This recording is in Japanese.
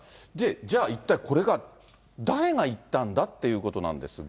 じゃあ、一体これが誰が言ったんだっていうことなんですが。